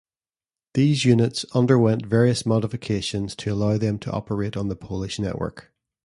These units underwent various modifications to allow them to operate on the Polish network.